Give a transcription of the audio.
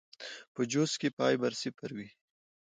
پۀ جوس کښې فائبر صفر وي